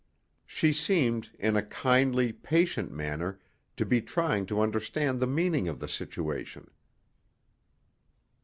She seemed, in a kindly, patient manner, to be trying to understand the meaning of the situation.